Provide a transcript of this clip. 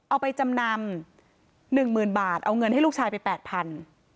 เอาไปจำนำหนึ่งหมื่นบาทเอาเงินให้ลูกชายไปแปดพัน